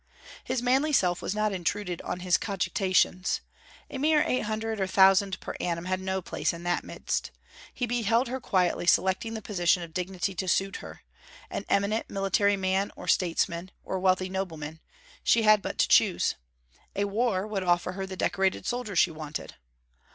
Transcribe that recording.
His manly self was not intruded on his cogitations. A mere eight hundred or thousand per annum had no place in that midst. He beheld her quietly selecting the position of dignity to suit her: an eminent military man, or statesman, or wealthy nobleman: she had but to choose. A war would offer her the decorated soldier she wanted.